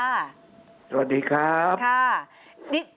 สวัสดีครับ